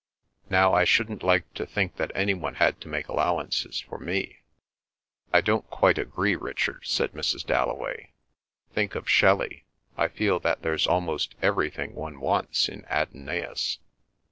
Now, I shouldn't like to think that any one had to make allowances for me." "I don't quite agree, Richard," said Mrs. Dalloway. "Think of Shelley. I feel that there's almost everything one wants in 'Adonais.